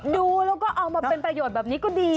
ดูแล้วก็เอามาเป็นประโยชน์แบบนี้ก็ดี